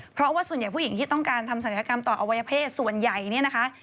เพราะว่าส่วนใหญ่ผู้หญิงที่ต้องการทำศัลยกรรมต่ออวัยเพศส่วนใหญ่เนี่ยนะคะ